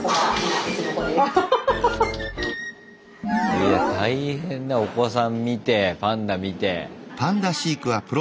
いや大変だお子さん見てパンダ見て。